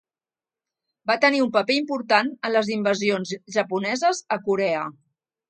Va tenir un paper important en les invasions japoneses a Corea.